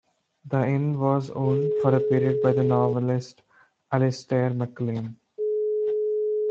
The inn was owned for a period by the novelist Alistair MacLean.